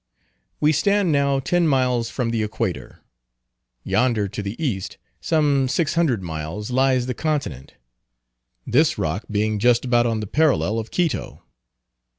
We stand now ten miles from the Equator. Yonder, to the East, some six hundred miles, lies the continent; this Rock being just about on the parallel of Quito.